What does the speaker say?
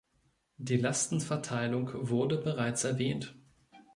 Die Lastenverteilung wurde bereits erwähnt.